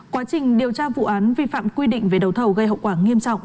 quá trình điều tra vụ án vi phạm quy định về đầu thầu gây hậu quả nghiêm trọng